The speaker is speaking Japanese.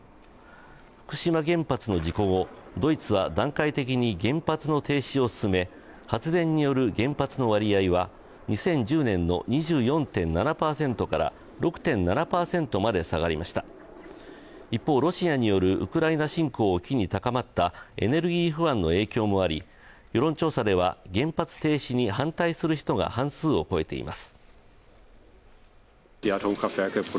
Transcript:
福島原発の事故後、ドイツは段階的に原発の停止を進め発電による原発の割合は２０１０年の２４．７％から６．７％まで下がりました一方、ロシアによるウクライナ侵攻を機に高まったエネルギー不安の影響もあり、世論調査では原発停止に反対する人が半数を超えています。